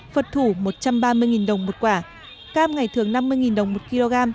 phật thủ một trăm ba mươi đồng một quả cam ngày thường năm mươi đồng một kg